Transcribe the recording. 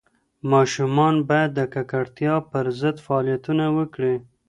ماشومان باید د ککړتیا پر ضد فعالیتونه وکړي.